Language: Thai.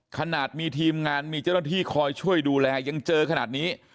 ขนาดมีทีมงานพูดเพียสทีแชร์อย่างเจอขนาดนี้